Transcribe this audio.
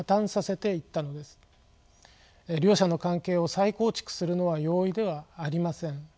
両者の関係を再構築するのは容易ではありません。